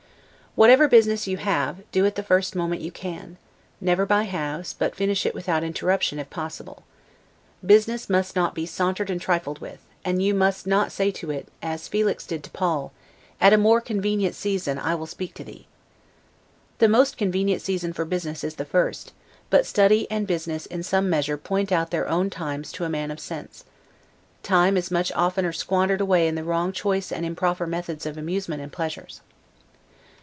Whatever business you have, do it the first moment you can; never by halves, but finish it without interruption, if possible. Business must not be sauntered and trifled with; and you must not say to it, as Felix did to Paul, "At a more convenient season I will speak to thee." The most convenient season for business is the first; but study and business in some measure point out their own times to a man of sense; time is much oftener squandered away in the wrong choice and improper methods of amusement and pleasures.